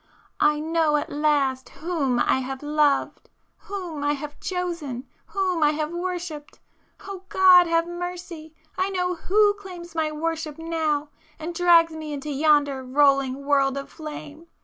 ... I know at last WHOM I have loved!—whom I have chosen, whom I have worshipped! ... Oh God, have mercy! ... I know WHO claims my worship now, and drags me into yonder rolling world of flame!...